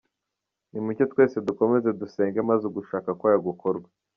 Nimucyo twese dukomeze dusenge maze ugushaka kwayo gukorwe.